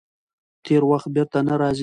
تېر وخت بېرته نه راځي.